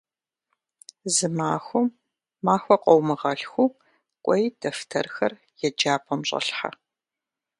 Зы махуэм махуэ къыумыгъэлъхуу, кӏуэи дэфтэрхэр еджапӏэм щӏэлъхьэ.